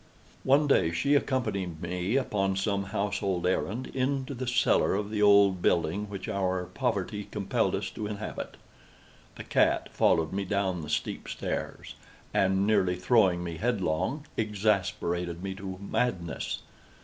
One day she accompanied me, upon some household errand, into the cellar of the old building which our poverty compelled us to inhabit. The cat followed me down the steep stairs, and, nearly throwing me headlong, exasperated me to madness.